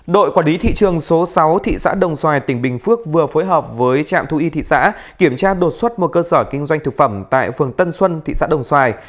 đội quản lý thị trường số sáu thị xã đồng xoài tỉnh bình phước vừa phối hợp với trạm thu y thị xã kiểm tra đột xuất một cơ sở kinh doanh thực phẩm tại phường tân xuân thị xã đồng xoài